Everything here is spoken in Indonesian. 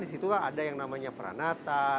disitulah ada yang namanya peranata